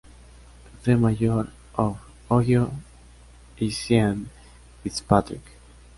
The mayor of Ohio is Sean Fitzpatrick.